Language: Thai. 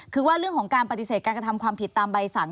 คือว่าเรื่องของการปฏิเสธการกระทำความผิดตามใบสั่ง